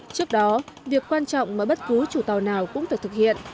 trước đó việc quan trọng mà bất cứ chủ tàu nào cũng phải thực hiện